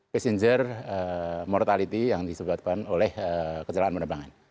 passenger mortality yang disebabkan oleh kecelakaan penerbangan